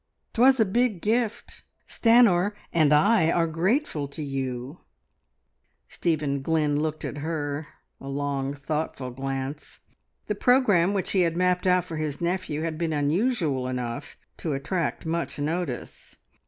'Twas a big gift! Stanor, and I are grateful to you " Stephen Glynn looked at her: a long, thoughtful glance. The programme which he had mapped out for his nephew had been unusual enough to attract much notice.